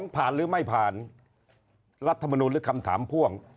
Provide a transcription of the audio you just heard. ผ่านหรือไม่ผ่านรัฐมนูลหรือคำถามพ่วง